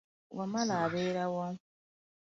Wamala abeera wa?